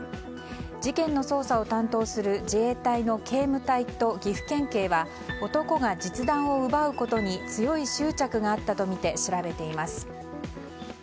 事件の捜査を担当する自衛隊の警務隊と岐阜県警は男が実弾を奪うことに強い執着があったとみて調べています。